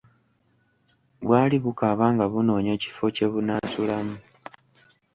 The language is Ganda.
Bwali bukaaba nga bunoonya ekifo kye bunaasulamu.